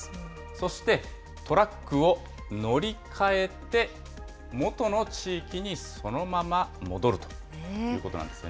そして、トラックを乗り換えて、元の地域にそのまま戻るということなんですね。